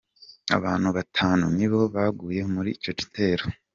Abantu batanu ni boba baguye muri ico gitero.